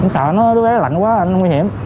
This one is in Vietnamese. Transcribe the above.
sợ đứa bé lạnh quá là nó nguy hiểm